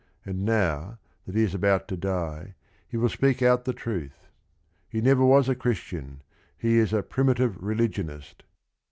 And~now that he is about to die, he will speak out the truth. He neve r was a Christian; he is a "primitive relig ionist."